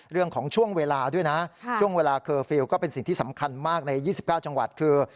เรื่องของช่วงเวลาด้วยนะช่วงเวลาเคอร์ฟิลล์ก็เป็นสิ่งที่สำคัญมากใน๒๙จังหวัดคือ